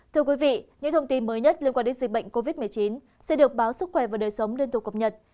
thưa quý vị những thông tin mới nhất liên quan đến dịch bệnh covid một mươi chín sẽ được báo sức khỏe và đời sống liên tục cập nhật